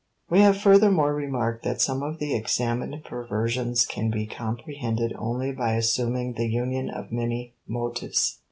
We have furthermore remarked that some of the examined perversions can be comprehended only by assuming the union of many motives.